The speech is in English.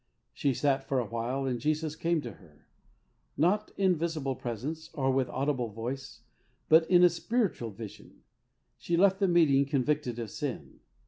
She sat for awhile, and Jesus came to her, not in visible presence, or with audible voice, but in a spiritual vision. She left the meeting convicted of sin.